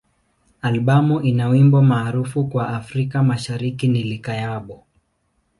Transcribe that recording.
Albamu ina wimbo maarufu kwa Afrika Mashariki ni "Likayabo.